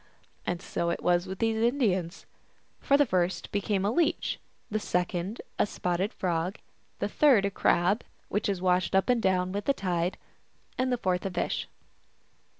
And so it was with these Indians. For the first became a Leech, the second a Sp9tted Frog, the third a Crab, which is washed up and down with the tide, and the fourth a Fish.